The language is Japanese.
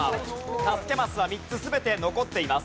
助けマスは３つ全て残っています。